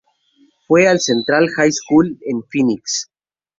Fue al Central High School en Phoenix.